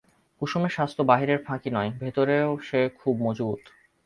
কুসুমের স্বাস্থ্য বাহিরের ফাঁকি নয়, ভিতরেও সে খুব মজবুত।